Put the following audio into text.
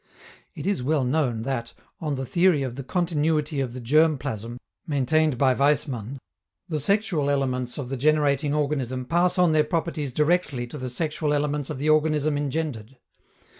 It is well known that, on the theory of the "continuity of the germ plasm," maintained by Weismann, the sexual elements of the generating organism pass on their properties directly to the sexual elements of the organism engendered.